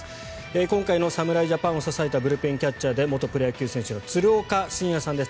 今回の侍ジャパンを支えたブルペンキャッチャーで元プロ野球選手の鶴岡慎也さんです。